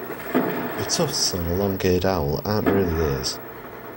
The tufts on a long-eared owl aren’t really ears